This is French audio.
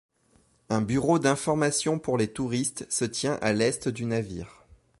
Un bureau d'informations pour les touristes se tient à l'est du navire.